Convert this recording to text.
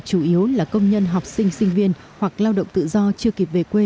chủ yếu là công nhân học sinh sinh viên hoặc lao động tự do chưa kịp về quê